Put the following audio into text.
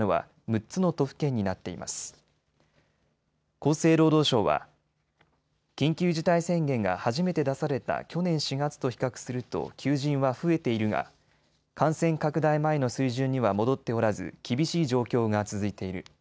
厚生労働省は緊急事態宣言が初めて出された去年４月と比較すると求人は増えているが感染拡大前の水準には戻っておらず厳しい状況が続いている。